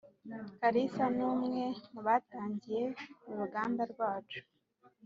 kalisa numwe mubatangiye uruganda rwacu